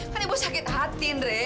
kan ibu sakit hati andre